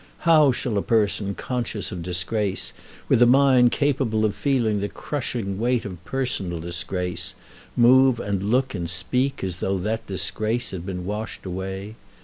How shall a person conscious of disgrace, with a mind capable of feeling the crushing weight of personal disgrace, move and look and speak as though that disgrace had been washed away?